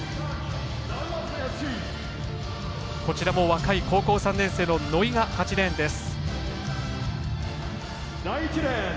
若い高校３年生の野井が８レーンです。